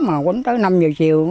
mà quân tới năm giờ chiều